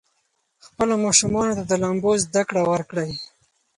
خپلو ماشومانو ته د لامبو زده کړه ورکړئ.